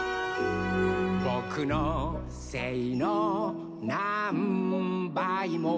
「ぼくのせいのなんばいも」